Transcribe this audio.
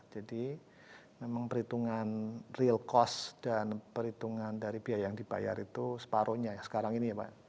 memang perhitungan real cost dan perhitungan dari biaya yang dibayar itu separuhnya sekarang ini ya pak